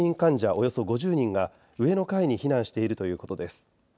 およそ５０人が上の階に避難しているということです。